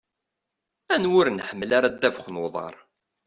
Anwa ur nḥemmel ara ddabex n uḍaṛ?